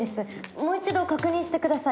もう一度確認してください。